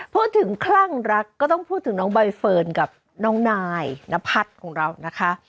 คลั่งรักก็ต้องพูดถึงน้องใบเฟิร์นกับน้องนายนพัฒน์ของเรานะคะ